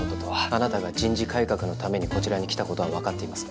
あなたが人事改革のためにこちらに来た事はわかっています。